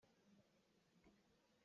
Tu hrawng cu ca ka ṭial kho pah.